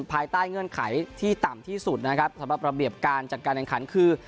ภายใต้เงื่อนไขที่ต่ำที่สุดนะครับสำหรับระเบียบการจัดการแข่งขันคือ